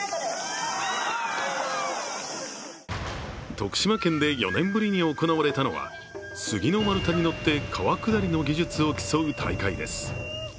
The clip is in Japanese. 徳島県で４年ぶりに行われたのは杉の丸太に乗って川下りの技術を競う大会です。